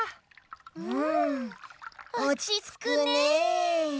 うんおちつくね。